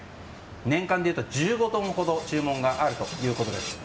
年間でいうと１５トンほど注文があるということです。